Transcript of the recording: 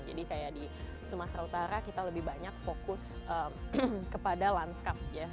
jadi kayak di sumatera utara kita lebih banyak fokus kepada landscape ya